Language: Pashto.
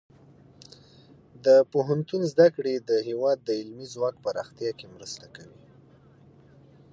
د پوهنتون زده کړې د هیواد د علمي ځواک پراختیا کې مرسته کوي.